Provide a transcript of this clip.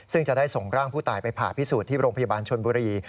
ซึ่งจะได้ส่งร่างผู้ตายไปผ่าพิสูจน์ที่โรงพยาบาลชนบุรี